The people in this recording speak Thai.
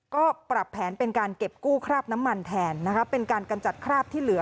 ก็ปรับแผนเป็นการเก็บกู้คราบน้ำมันแทนนะคะเป็นการกำจัดคราบที่เหลือ